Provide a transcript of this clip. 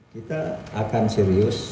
kita akan serius